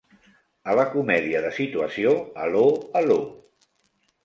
A la comèdia de situació 'Allo 'Allo!